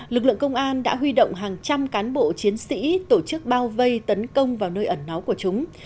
lực lượng công an đã huy động hàng trăm cán bộ chiến sĩ tổ chức bao vây tấn công vào nơi ẩn náu của chúng